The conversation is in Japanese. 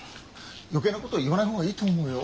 余計なこと言わない方がいいと思うよ。